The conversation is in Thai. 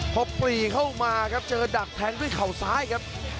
พอปรีเข้ามาครับเจอดักแทงด้วยเข่าซ้ายครับ